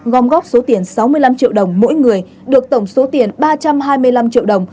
gom góp số tiền sáu mươi năm triệu đồng mỗi người được tổng số tiền ba trăm hai mươi năm triệu đồng